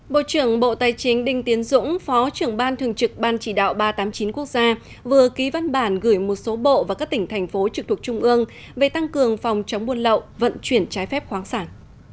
bộ trưởng bộ tài chính đinh tiến dũng phó trưởng ban thường trực ban chỉ đạo ba trăm tám mươi chín quốc gia vừa ký văn bản gửi một số bộ và các tỉnh thành phố trực thuộc trung ương về tăng cường phòng chống buôn lậu vận chuyển trái phép khoáng sản